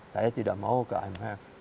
saya tidak mau ke imf